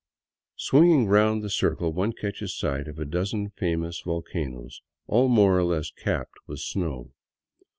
Swinging round the circle, one catches sight of a dozen famous volcanoes, all more or less capped with snow.